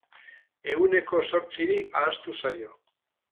Ehuneko zortziri ahaztu zaio.